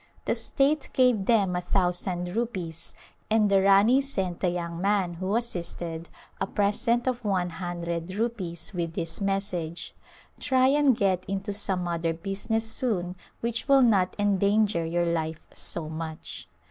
The state gave them a thousand rupees and the Rani sent the young man who assisted a present of one hundred rupees with this message, " Try and get into some other business soon which will not endanger your life so much."